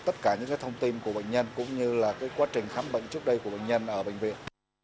tất cả những thông tin của bệnh nhân cũng như là quá trình khám bệnh trước đây của bệnh nhân ở bệnh viện